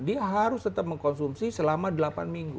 dia harus tetap mengkonsumsi selama delapan minggu